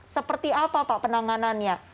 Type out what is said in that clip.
seperti apa pak penanganannya